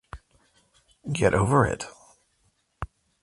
Get over it.